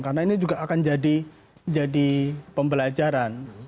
karena ini juga akan jadi pembelajaran